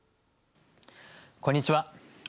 こんにちは。